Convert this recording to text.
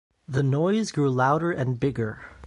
The noise grew louder and bigger.